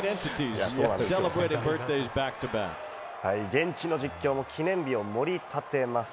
現地の実況も記念日を盛り立てます。